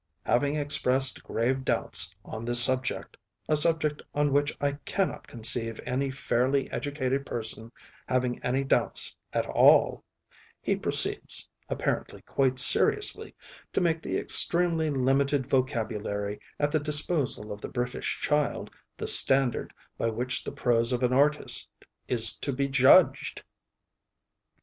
Having expressed grave doubts on this subject, a subject on which I cannot conceive any fairly educated person having any doubts at all, he proceeds, apparently quite seriously, to make the extremely limited vocabulary at the disposal of the British child the standard by which the prose of an artist is to be judged!